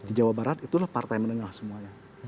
di jawa barat itulah partai menengah semuanya